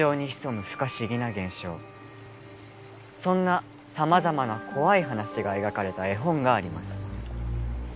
そんなさまざまな怖い話が描かれた絵本があります。